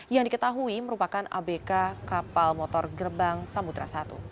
yang diketahui merupakan abk kapal motor gerbang samudera satu